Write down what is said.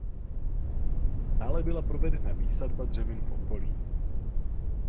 Dále byla provedena výsadba dřevin v okolí.